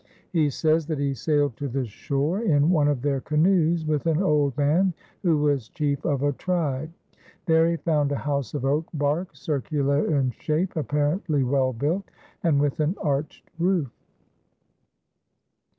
He says that he sailed to the shore in one of their canoes, with an old man who was chief of a tribe. There he found a house of oak bark, circular in shape, apparently well built, and with an arched roof.